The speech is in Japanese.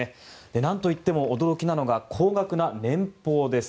何といっても驚きなのが高額の年俸です。